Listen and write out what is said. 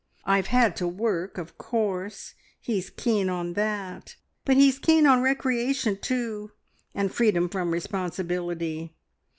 I've had to work, of course he's keen on that; but he's keen on recreation, too, and freedom from responsibility.